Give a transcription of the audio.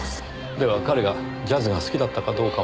では彼がジャズが好きだったかどうかも。